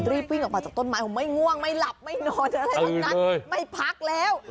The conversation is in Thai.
รีบวิ่งออกมาจับต้นไม้ไม่ง่วงไม่หลับไม่นอนไม่พักแล้ว